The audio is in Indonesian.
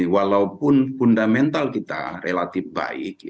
walaupun fundamental kita relatif baik